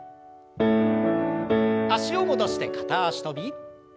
脚を戻して片脚跳び。